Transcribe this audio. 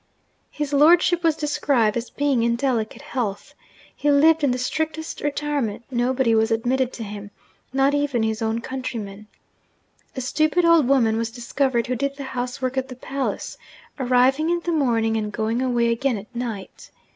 His lordship was described as being in delicate health. He lived in the strictest retirement nobody was admitted to him, not even his own countrymen. A stupid old woman was discovered who did the housework at the palace, arriving in the morning and going away again at night.